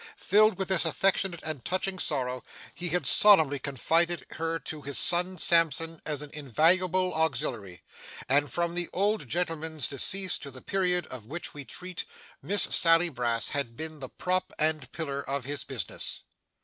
Filled with this affectionate and touching sorrow, he had solemnly confided her to his son Sampson as an invaluable auxiliary; and from the old gentleman's decease to the period of which we treat, Miss Sally Brass had been the prop and pillar of his business.